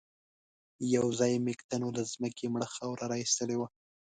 يوځای مېږتنو له ځمکې مړه خاوره را ايستلې وه.